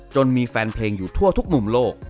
มีแฟนเพลงอยู่ทั่วทุกมุมโลก